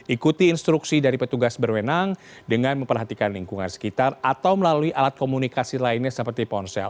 ikuti instruksi dari petugas berwenang dengan memperhatikan lingkungan sekitar atau melalui alat komunikasi lainnya seperti ponsel